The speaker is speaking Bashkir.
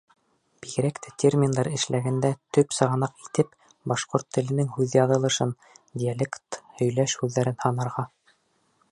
Бигерәк тә терминдар эшләгәндә төп сығанаҡ итеп башҡорт теленең һуҙьяҙылышын, диалект, һөйләш һүҙҙәрен һанарға.